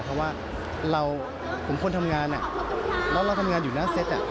เพราะว่าผมคนทำงานแล้วเราทำงานอยู่หน้าเซต